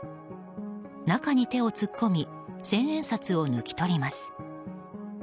中に手を突っ込み千円札を抜き取ります。